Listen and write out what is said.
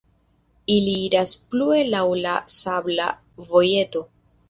Ili iras plue laŭ la sabla vojeto.